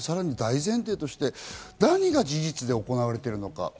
大前提として何が事実で行われているのか。